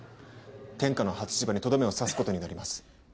天下のハツシバにとどめを刺すことになります